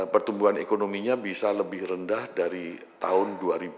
pertumbuhan ekonominya bisa lebih rendah dari tahun dua ribu dua puluh